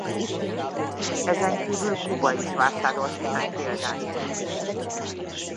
Ezen kívül Kuba is vásárolt néhány példányt.